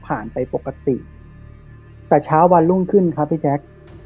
ไปปกติแต่เช้าวันรุ่งขึ้นครับพี่แจ๊ค